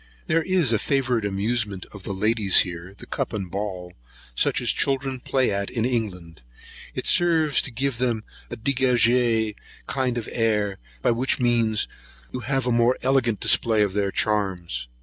There is a favourite amusement of the ladies here, (the cup and ball), such as children play at in England. It serves to give them a dégagé kind of air, by which means you have a more elegant display of their charms.